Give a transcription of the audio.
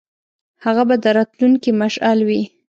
هغه به د راتلونکي مشعل وي.